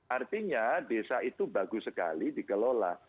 artinya desa itu bagus sekali dikelola